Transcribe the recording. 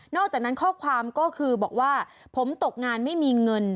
อกจากนั้นข้อความก็คือบอกว่าผมตกงานไม่มีเงิน